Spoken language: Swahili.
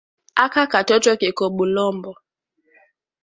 Aka katoto keko bulombo